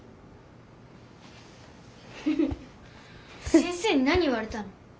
先生に何言われたの？